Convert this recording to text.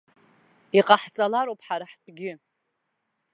Иҟаҳҵалароуп ҳара ҳтәгьы.